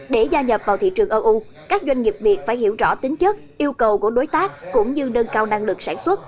để gia nhập vào thị trường eu các doanh nghiệp việt phải hiểu rõ tính chất yêu cầu của đối tác cũng như nâng cao năng lực sản xuất